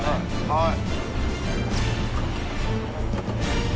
はい。